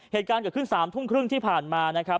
เหตุการณ์กระขึ้น๓ทุ่มครึ่งที่ผ่านมา